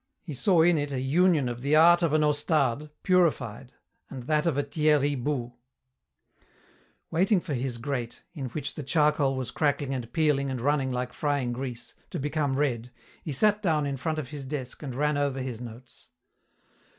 He saw in it a union of the art of an Ostade purified and that of a Thierry Bouts. Waiting for his grate, in which the charcoal was crackling and peeling and running like frying grease, to become red, he sat down in front of his desk and ran over his notes.